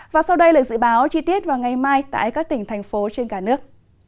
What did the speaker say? và sau đây là dự báo chi tiết vào ngày mai tại các tỉnh thành phố trên cả nước